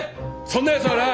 そんなやつはな